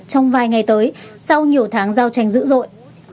trong vài ngày tới sau nhiều tháng giao tranh dữ dội